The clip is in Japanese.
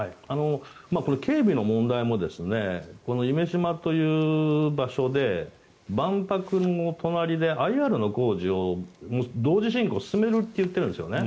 警備の問題も夢洲という場所で万博の隣でＩＲの工事を同時進行で進めると言ってるんですよね。